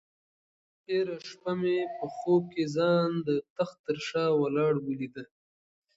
تېره شپه مې په خوب کې ځان د تخت تر شا ولاړه ولیده.